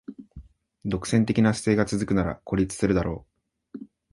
独占的な姿勢が続くなら孤立するだろう